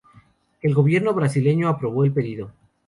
El gobierno brasileño aprobó el pedido.